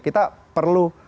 kita perlu berbentuk